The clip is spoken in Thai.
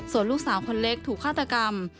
ส่วนลูกสาวคนเล็กถูกฆาตกรรม